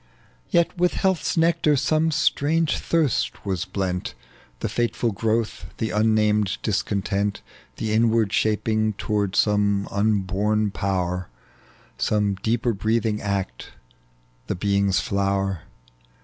Yet with health's nectar some strange thirst was blent. The fateful growth, the unnamed discontent, .tec bv Google THE LEGEND OP JXTBAL. 23 The inward shaping toward some unborn power, Some deeper breathing act, the being's flower.